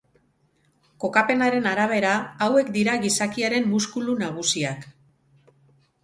Kokapenaren arabera, hauek dira gizakiaren muskulu nagusiak.